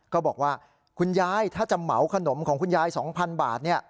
ก็บอกว่าคุณยายถ้าจะเหมาขนมของคุณยาย๒๐๐๐บาท